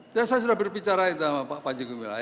saya sudah berbicara sama pak panji gumilang